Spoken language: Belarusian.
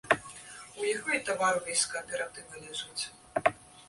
У яго і тавар увесь з кааператыва ляжыць.